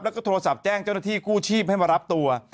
แล้วก็โทรศัพท์แจ้งเจ้าหน้าที่กู้ชีพให้มารับตัว